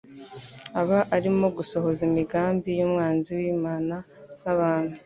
aba arimo gusohoza imigambi y’umwanzi w’Imana n’abantu